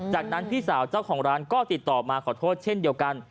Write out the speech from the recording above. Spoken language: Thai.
จากนั้นพี่สาวเจ้าของร้านก็ติดต่อมาขอโทษเช่นเดียวกัน